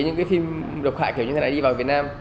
những cái phim độc hại kiểu như thế này đi vào